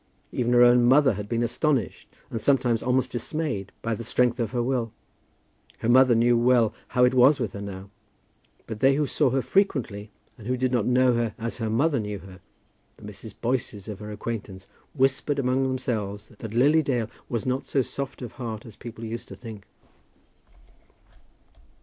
Even her own mother had been astonished, and sometimes almost dismayed, by the strength of her will. Her mother knew well how it was with her now; but they who saw her frequently, and who did not know her as her mother knew her, the Mrs. Boyces of her acquaintance, whispered among themselves that Lily Dale was not so soft of heart as people used to think.